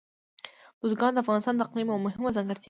بزګان د افغانستان د اقلیم یوه مهمه ځانګړتیا ده.